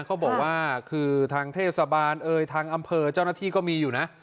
เขาบอกว่าคือทางเทศบาลเอ่ยทางอำเภอเจ้าหน้าที่ก็มีอยู่นะ